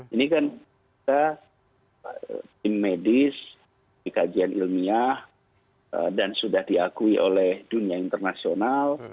ini kan kita tim medis dikajian ilmiah dan sudah diakui oleh dunia internasional